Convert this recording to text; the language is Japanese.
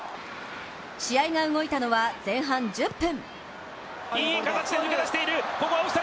試合が動いたのは、前半１０分。